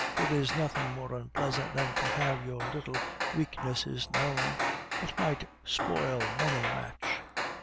There is nothing more unpleasant than to have your little weaknesses known; it might spoil many a match.